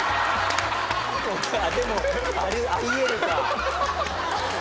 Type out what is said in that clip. でもあり得るか。